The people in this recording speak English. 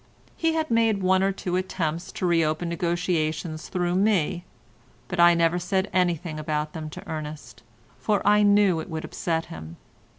He had made one or two attempts to reopen negotiations through me, but I never said anything about them to Ernest, for I knew it would upset him.